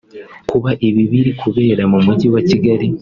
Kuba ibi biri kubera mu mujyi wa Kigali